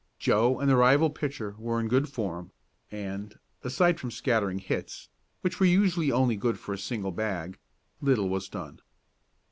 Joe and the rival pitcher were in good form, and, aside from scattering hits, which were usually only good for a single bag, little was done.